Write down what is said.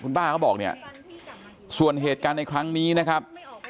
ป้าเขาบอกเนี่ยส่วนเหตุการณ์ในครั้งนี้นะครับ